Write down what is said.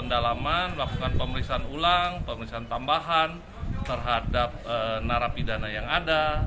pendalaman melakukan pemeriksaan ulang pemeriksaan tambahan terhadap narapidana yang ada